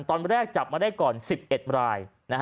ตอนแรกจับมาได้ก่อน๑๑ราย